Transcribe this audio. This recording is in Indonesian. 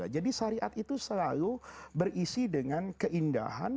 jadi syariat itu selalu berisi dengan keindahan